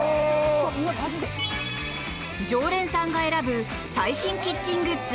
常連さんが選ぶ最新キッチングッズ